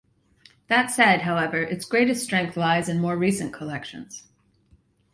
That said, however, its greatest strength lies in more recent collections.